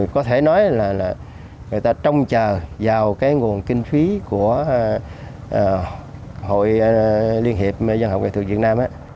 có thể nói là người ta trông chờ vào cái nguồn kinh phí của hội liên hiệp văn học nghệ thuật việt nam á